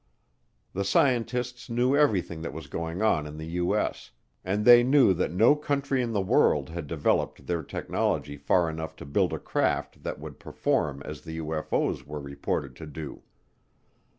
The scientists knew everything that was going on in the U.S. and they knew that no country in the world had developed their technology far enough to build a craft that would perform as the UFO's were reported to do.